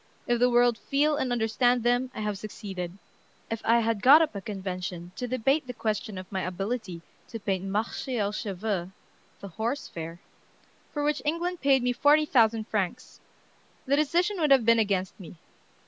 If the world feel and understand them, I have succeeded.... If I had got up a convention to debate the question of my ability to paint 'Marché au Chevaux' [The Horse Fair], for which England paid me forty thousand francs, the decision would have been against me.